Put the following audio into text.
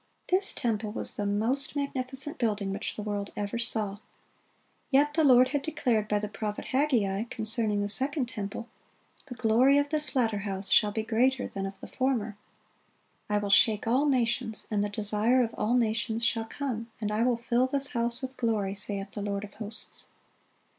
This temple was the most magnificent building which the world ever saw. Yet the Lord had declared by the prophet Haggai, concerning the second temple, "The glory of this latter house shall be greater than of the former." "I will shake all nations, and the Desire of all nations shall come: and I will fill this house with glory, saith the Lord of hosts."